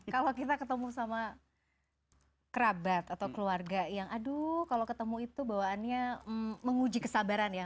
kalau kita ketemu sama kerabat atau keluarga yang aduh kalau ketemu itu bawaannya menguji kesabaran ya